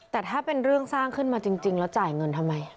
แต่ถ้าเป็นเรื่องสร้างขึ้นมาจริงแล้วจ่ายเงินทำไม